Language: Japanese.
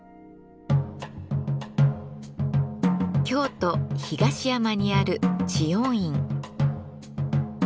京都・東山にある知恩院。